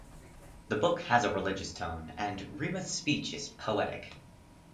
The book has a religious tone and Rima's speech is poetic.